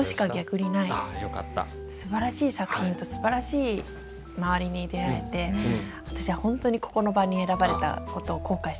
すばらしい作品とすばらしい周りに出会えて私はほんとにここの場に選ばれた事を後悔しません。